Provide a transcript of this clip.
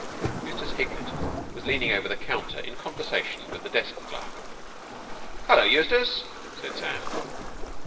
Eustace Hignett was leaning over the counter, in conversation with the desk clerk. "Hullo, Eustace!" said Sam.